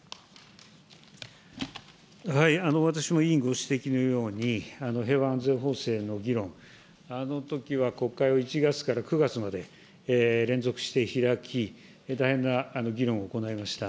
私も委員ご指摘のように、平和安全法制の議論、あのときは国会は１月から９月まで連続して開き、大変な議論を行いました。